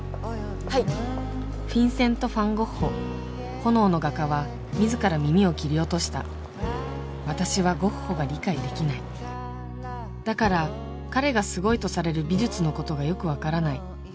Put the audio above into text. はいフィンセント・ファン・ゴッホ炎の画家は自ら耳を切り落とした私はゴッホが理解できないだから彼がすごいとされる美術のことがよく分からない